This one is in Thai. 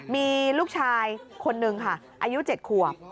มีลูกชายคนนึงค่ะอายุ๗ขวบ